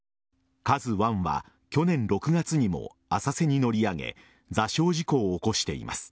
「ＫＡＺＵ１」は去年６月にも浅瀬に乗り上げ座礁事故を起こしています。